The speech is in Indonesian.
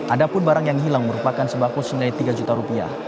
ada pun barang yang hilang merupakan sembako senilai tiga juta rupiah